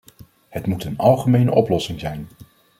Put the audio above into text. Het moet een algemene oplossing zijn.